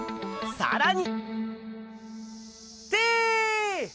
さらに・